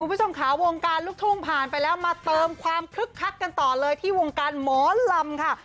คุณผู้ชมค่ะวงการลูกทุ่งผ่านไปแล้วมาเติมความคึกคักกันต่อเลยที่วงการหมอลำค่ะ